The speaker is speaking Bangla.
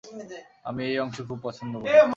আমি এই অংশ খুব পছন্দ করি।